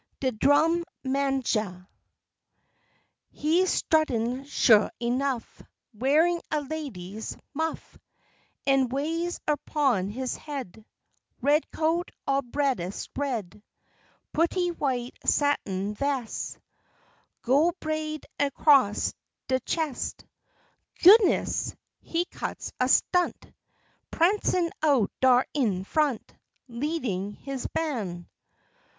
DE DRUM MAJAH He's struttin' sho ernuff, Wearin' a lady's muff En' ways erpon his head, Red coat ob reddest red, Purtty white satin ves', Gole braid ercross de ches'; Goo'ness! he cuts a stunt, Prancin' out dar in frunt, Leadin' his ban'.